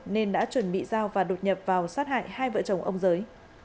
nên đã chuẩn bị giao và đột nhập vào sát hại hai vợ chồng ông giới